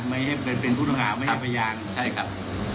ไม่ให้เป็นพุทธภาพไม่ให้เป็นพยานใช่ครับ